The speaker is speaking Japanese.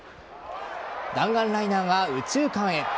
弾丸ライナーが右中間へ。